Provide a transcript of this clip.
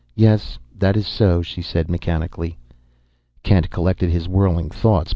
"Yes, that is so," she said mechanically. Kent collected his whirling thoughts.